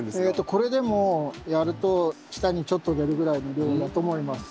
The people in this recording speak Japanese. これでもやると下にちょっと出るぐらいの量だと思います。